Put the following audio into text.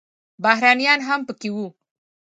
بهرنیان هم پکې وو.